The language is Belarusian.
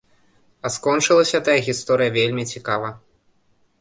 А скончылася тая гісторыя вельмі цікава.